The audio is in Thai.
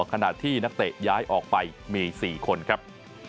ขณะที่นักเตะย้ายออกไปมี๔คนครับ